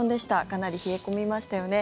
かなり冷え込みましたよね。